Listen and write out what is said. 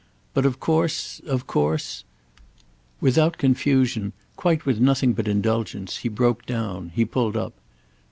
But of course—of course—" Without confusion, quite with nothing but indulgence, he broke down, he pulled up.